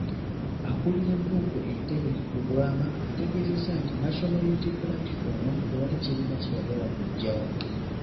Akulira Nuupu Entebe, Lubwama, ategeezezza nti National Unity Platform tewali kibiina ky'eyagala kuggyawo.